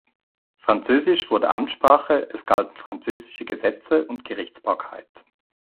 Französisch wurde Amtssprache, es galten französische Gesetze und Gerichtsbarkeit.